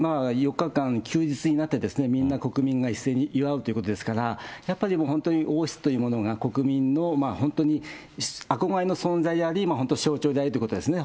４日間休日になって、みんな国民が一斉に祝うということですから、やっぱり本当に王室というものが、国民の本当に憧れの存在であり、本当、象徴であるということですね。